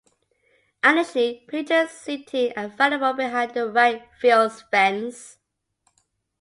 Additionally, bleachers seating are available behind the right field fence.